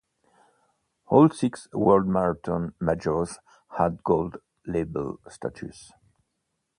All six World Marathon Majors had Gold Label status.